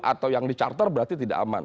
atau yang di charter berarti tidak aman